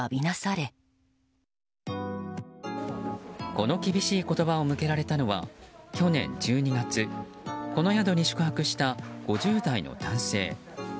この厳しい言葉を向けられたのは去年１２月この宿に宿泊した５０代の男性。